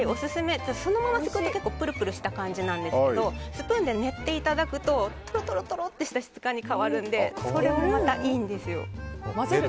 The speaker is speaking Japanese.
そのままだとプルプルした感じなんですけどスプーンで練っていただくととろとろとろとした質感に変わるのでそれもまたいいんですよ。